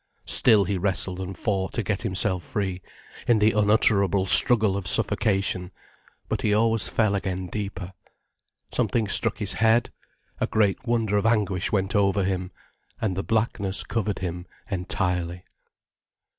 Still he wrestled and fought to get himself free, in the unutterable struggle of suffocation, but he always fell again deeper. Something struck his head, a great wonder of anguish went over him, then the blackness covered him entirely.